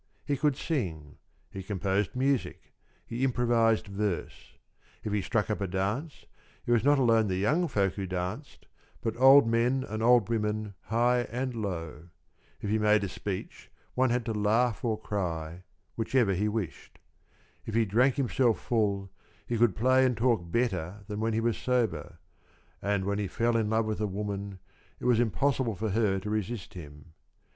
He could sing; he composed music; he improvised verse. If he struck up a dance, it was not alone the young folk who danced, but old men and old women, high and low. If he made a speech, one had to laugh or cry, whichever he wished. If he drank himself full, he could play and talk better than when he was sober, and when he fell in love with a woman, it was impossible for her to resist him.